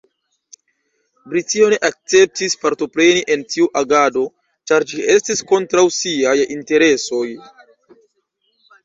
Britio ne akceptis partopreni en tiu agado, ĉar ĝi estis kontraŭ siaj interesoj.